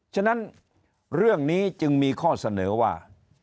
ฉะนั้นเรื่องนี้จึงมีข้อเสนอว่า